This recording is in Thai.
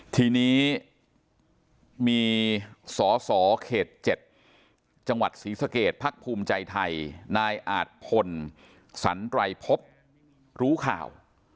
ทีนี้มีสอสอเขต๗จังหวัดศรีสะเกดพักภูมิใจไทยนายอาจพลสันไรพบรู้ข่าว